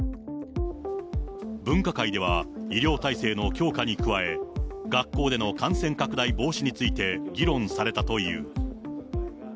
分科会では医療体制の強化に加え、学校での感染拡大防止について議論されたという。